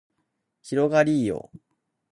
広がりーよ